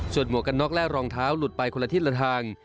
ส่วนหมวกกันน็อกและรองเท้าหลุดไปคนละทิศละทาง